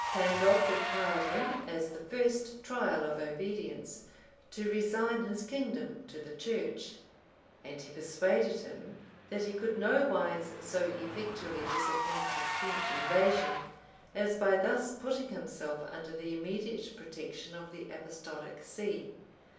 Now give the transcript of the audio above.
Pandolf required him, as the first trial of obedience, to resign his kingdom to the church; and he persuaded him, that he could nowise so effectually disappoint the French invasion, as by thus putting himself under the immediate protection of the apostolic see.